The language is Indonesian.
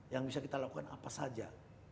yang bisa kita lakukan apa saja